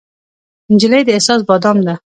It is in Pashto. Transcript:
نجلۍ د احساس بادام ده.